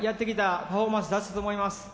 パフォーマンス出せたと思います。